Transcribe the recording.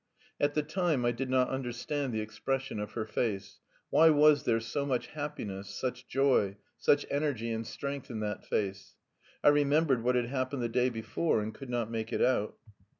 At the time I did not understand the expression of her face: why was there so much happiness, such joy, such energy and strength in that face? I remembered what had happened the day before and could not make it out.